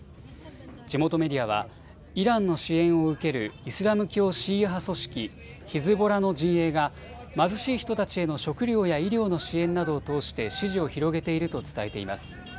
地元メディアはイランの支援を受けるイスラム教シーア派組織、ヒズボラの陣営が貧しい人たちへの食料や医療の支援などを通して支持を広げていると伝えています。